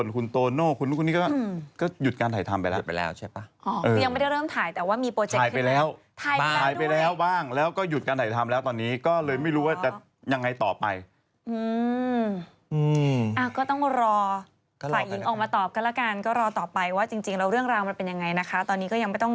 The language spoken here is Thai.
ก็เหลือเลยถ้าไม่รอตอบกันแล้วกันก็รอตอบไปว่าจริงจริงเราเรื่องราวมันเป็นยังไงนะคะตอนนี้ก็ยังไม่ต้อง